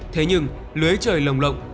thế nhưng lưới trời lồng lộng